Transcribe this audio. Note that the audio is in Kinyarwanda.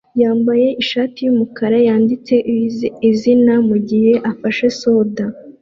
yambaye ishati yumukara yanditseho izina mugihe afashe soda